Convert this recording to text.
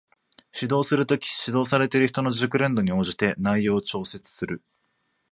指導する時、指導される人の熟練度に応じて内容を調整する